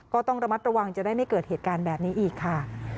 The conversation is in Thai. ก็ต้องระมัดระวังจะได้ไม่เกิดเหตุการณ์แบบนี้อีกค่ะ